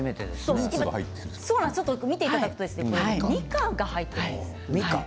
見ていただくとみかんが入っているんです。